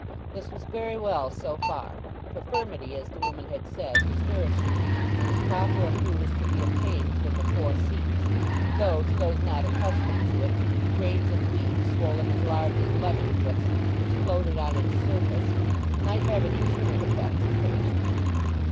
This was very well so far, for furmity, as the woman had said, was nourishing, and as proper a food as could be obtained within the four seas; though, to those not accustomed to it, the grains of wheat swollen as large as lemon pips, which floated on its surface, might have a deterrent effect at first.